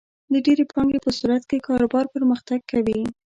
د ډېرې پانګې په صورت کې کاروبار پرمختګ کوي.